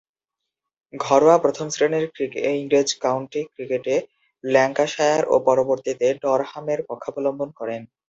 ঘরোয়া প্রথম-শ্রেণীর ইংরেজ কাউন্টি ক্রিকেটে ল্যাঙ্কাশায়ার ও পরবর্তীতে ডারহামের পক্ষাবলম্বন করেন।